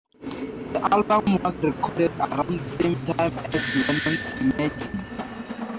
The album was recorded around the same time as Lennon's "Imagine".